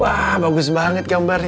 wah bagus banget gambarnya